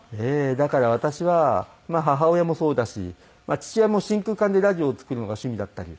だから私はまあ母親もそうだし父親も真空管でラジオを作るのが趣味だったり。